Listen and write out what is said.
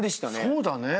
そうだね。